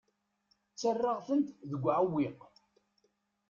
Ttarraɣ-tent deg uɛewwiq.